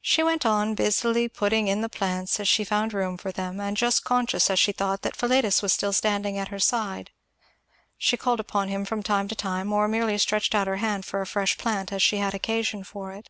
She went on busily putting in the plants as she found room for them, and just conscious, as she thought, that Philetus was still standing at her side she called upon him from time to time, or merely stretched out her hand, for a fresh plant as she had occasion for it.